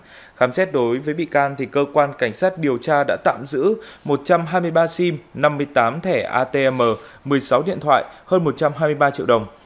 khi khám xét đối với bị can cơ quan cảnh sát điều tra đã tạm giữ một trăm hai mươi ba sim năm mươi tám thẻ atm một mươi sáu điện thoại hơn một trăm hai mươi ba triệu đồng